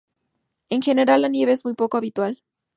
En general la nieve es muy poco habitual.